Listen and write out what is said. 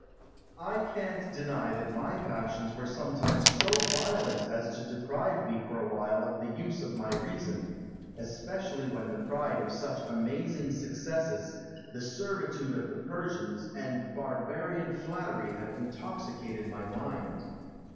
Alexander. I can't deny that my passions were sometimes so violent as to deprive me for a while of the use of my reason; especially when the pride of such amazing successes, the servitude of the Persians, and barbarian flattery had intoxicated my mind.